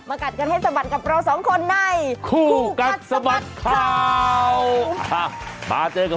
กัดกันให้สะบัดกับเราสองคนในคู่กัดสะบัดข่าวมาเจอกับ